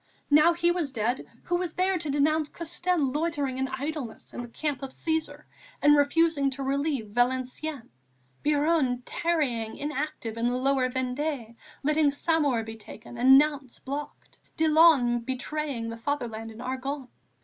Now he was dead, who was there to denounce Custine loitering in idleness in the Camp of Cæsar and refusing to relieve Valenciennes, Biron tarrying inactive in the Lower Vendée letting Saumur be taken and Nantes blockaded, Dillon betraying the Fatherland in the Argonne?...